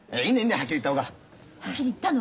はっきり言った方が。